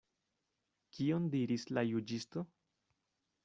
Kion diris la juĝisto?